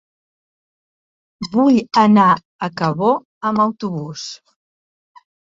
Vull anar a Cabó amb autobús.